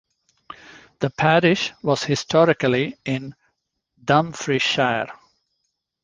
The parish was historically in Dumfriesshire.